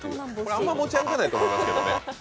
あんま持ち歩かないと思いますけど。